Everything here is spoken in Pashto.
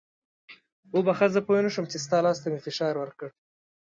وبخښه زه پوه نه شوم چې ستا لاس ته مې فشار ورکړی.